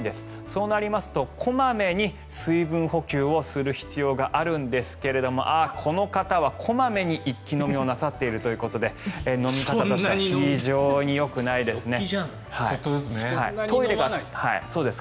そうなりますと小まめに水分補給をする必要があるんですがこの方は小まめに一気飲みをなさっているということで飲み方、非常によくないですね。